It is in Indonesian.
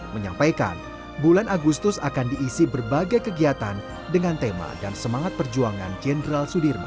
menyampaikan bulan agustus akan diisi berbagai kegiatan dengan tema dan semangat perjuangan jenderal sudirman